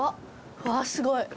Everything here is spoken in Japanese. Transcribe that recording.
うわーすごい！